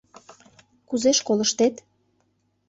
— Кузе школыштет?